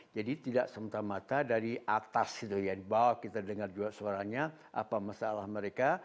jadi tidak semata mata dari atas dari bawah kita dengar juga suaranya apa masalah mereka